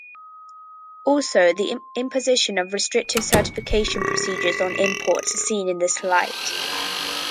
Also, the imposition of restrictive certification procedures on imports are seen in this light.